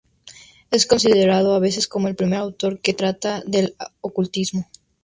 Es considerado a veces como el primer autor que trata del ocultismo.